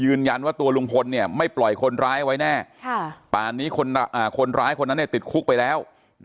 ยืนยันว่าตัวลุงพลไม่ปล่อยคนร้ายไว้แน่ป่านนี้คนร้ายคนนั้นติดคุกไปแล้ว